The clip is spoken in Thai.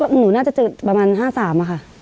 หนูน่าจะเจอประมาณ๕๓อะค่ะ